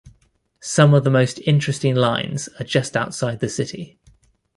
Some of the most interesting lines are just outside the city.